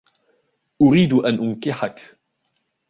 أريد أن أنكحك.